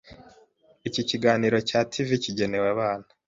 Iki kiganiro cya TV kigenewe abana.